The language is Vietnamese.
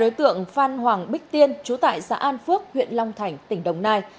đối tượng phan hoàng bích tiên chú tại xã an phước huyện long thành tỉnh đồng nai